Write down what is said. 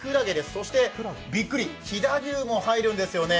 そしてびっくり、飛騨牛も入るんですね。